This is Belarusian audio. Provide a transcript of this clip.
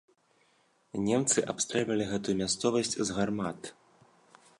Немцы абстрэльвалі гэтую мясцовасць з гармат.